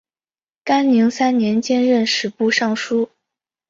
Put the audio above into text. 干宁三年兼任吏部尚书。